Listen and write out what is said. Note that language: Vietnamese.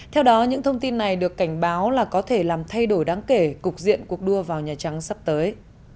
theo đó những thông tin này được cảnh báo là có thể làm thay đổi đáng kể cục diện cuộc đua vào nhà trắng sắp tới